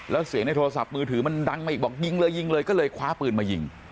แล้วเสียงในโทรศัพท์มือถือมันดังมาอีกบอกยิงเลยยิงเลยก็เลยคว้าปืนมายิง